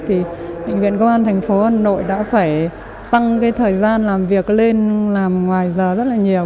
thì bệnh viện công an thành phố hà nội đã phải tăng cái thời gian làm việc lên làm ngoài giờ rất là nhiều